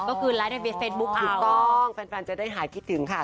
ก็คือไลฟ์ในเฟซบุ๊คถูกต้องแฟนจะได้หายคิดถึงค่ะ